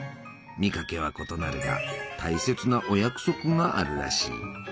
見かけは異なるが大切なお約束があるらしい。